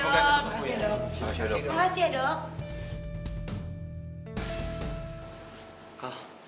makasih ya dok